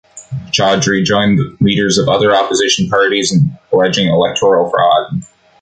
Chaudhry joined the leaders of other opposition parties in alleging electoral fraud.